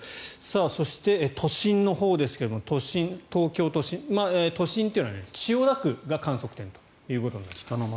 そして、都心のほうですが東京都心都心というのは千代田区が観測点となります。